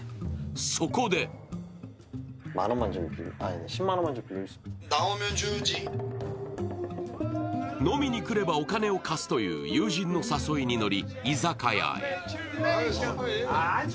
そこで飲みに来ればお金を貸すという友人の誘いに乗り居酒屋へ。